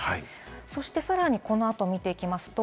そしてさらにこの後を見ていきます。